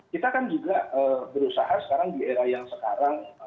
kita kan juga berusaha sekarang di era yang sekarang